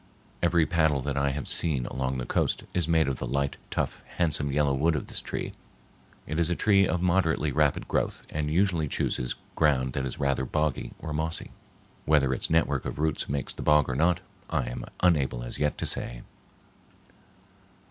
Every paddle that I have seen along the coast is made of the light, tough, handsome yellow wood of this tree. It is a tree of moderately rapid growth and usually chooses ground that is rather boggy and mossy. Whether its network of roots makes the bog or not, I am unable as yet to say.